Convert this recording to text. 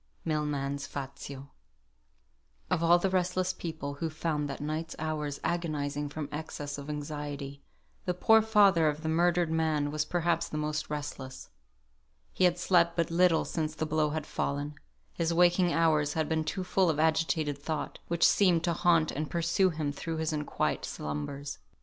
MILMAN'S "FAZIO." Of all the restless people who found that night's hours agonising from excess of anxiety, the poor father of the murdered man was perhaps the most restless. He had slept but little since the blow had fallen; his waking hours had been too full of agitated thought, which seemed to haunt and pursue him through his unquiet slumbers.